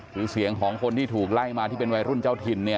คือเสียงของคนที่ถูกไล่มาที่เป็นวัยรุ่นเจ้าถิ่นเนี่ย